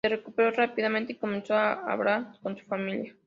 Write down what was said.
Se recuperó rápidamente y comenzó a hablar con su familia.